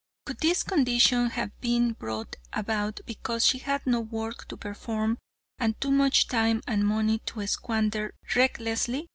Could this condition have been brought about because she had no work to perform and too much time and money to squander recklessly?